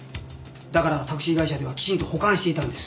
だからタクシー会社ではきちんと保管していたんです。